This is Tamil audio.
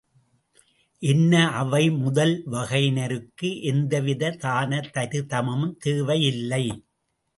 என்ன அவை முதல் வகையினருக்கு எந்த வித தான தருதமும் தேவையில்லை.